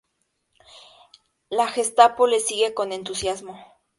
La Gestapo le sigue con entusiasmo.